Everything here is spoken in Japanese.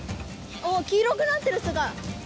黄色くなってる巣が。